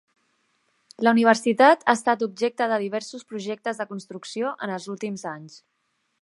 La universitat ha estat objecte de diversos projectes de construcció en els últims anys.